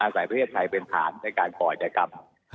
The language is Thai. ใส่ประเทศไทยเป็นฐานในการป่อยกรรม